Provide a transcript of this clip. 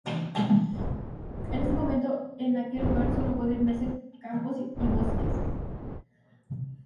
En estos momentos en aquel lugar solo pueden verse campos y bosques.